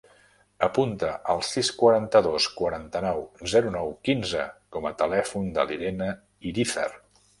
Apunta el sis, quaranta-dos, quaranta-nou, zero, nou, quinze com a telèfon de l'Irene Irizar.